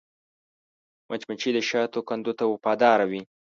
مچمچۍ د شاتو کندو ته وفاداره وي